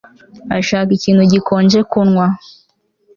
ashaka ikintu gikonje kunywa